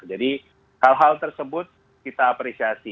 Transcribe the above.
jadi hal hal tersebut kita apresiasi